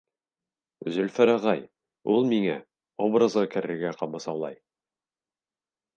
Зөлфәр ағай, ул миңә образға керергә ҡамасаулай!